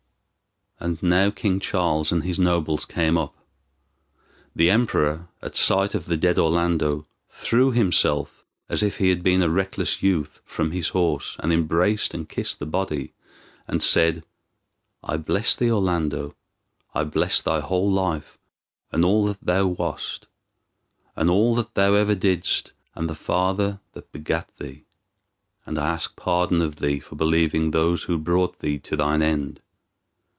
And now King Charles and his nobles came up. The Emperor, at sight of the dead Orlando, threw himself, as if he had been a reckless youth, from his horse, and embraced and kissed the body, and said: "I bless thee, Orlando; I bless thy whole life, and all that thou wast, and all that thou ever didst, and the father that begat thee; and I ask pardon of thee for believing those who brought thee to thine end.